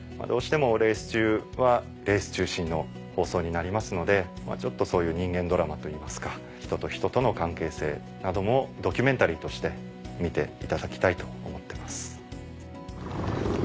どうしてもレース中はレース中心の放送になりますのでちょっとそういう人間ドラマといいますか人と人との関係性などもドキュメンタリーとして見ていただきたいと思ってます。